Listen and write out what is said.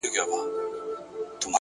اوس يې څنگه ښه له ياده وباسم،